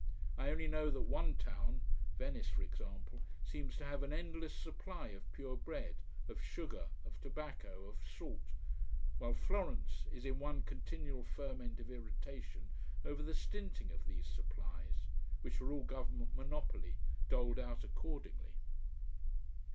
I only know that one town Venice, for example seems to have an endless supply of pure bread, of sugar, of tobacco, of salt while Florence is in one continual ferment of irritation over the stinting of these supplies which are all government monopoly, doled out accordingly.